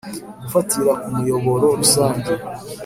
gifatira ku muyoboro rusange